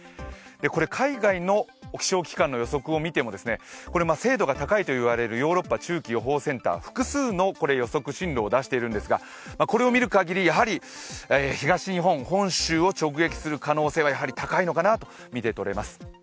これ、海外の気象機関の予測を見ても精度が高いと言われるヨーロッパ中期予報センター、複数の予測進路を出しているんですが、これを見るかぎりやはり、東日本、本州を直撃する可能性は高いのかなと見て取れます。